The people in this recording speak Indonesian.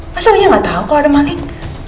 masa punya gak tau kalau ada maling